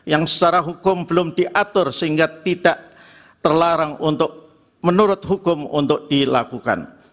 yang secara hukum belum diatur sehingga tidak terlarang untuk menurut hukum untuk dilakukan